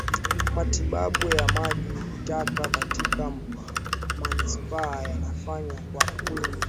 Matibabu ya maji taka katika manispaa yanafanywa kwa wingi